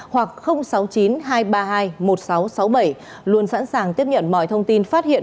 hoặc sáu mươi chín hai trăm ba mươi hai một nghìn sáu trăm sáu mươi bảy luôn sẵn sàng tiếp nhận mọi thông tin phát hiện